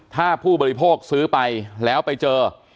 ถ้าผู้บริโภคซื้อไปแล้วไปเจอ